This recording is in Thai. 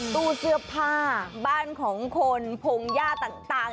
ตู้เสื้อผ้าบ้านของคนพงหญ้าต่าง